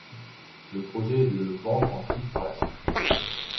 Le projet est de le vendre en kit par la suite.